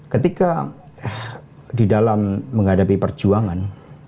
ketika di dalam menghadapi perjuangan